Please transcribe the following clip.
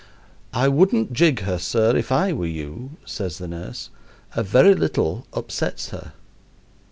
"I wouldn't jig her, sir, if I were you," says the nurse; "a very little upsets her."